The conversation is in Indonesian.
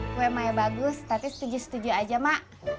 kue mai bagus tapi setuju setuju aja ma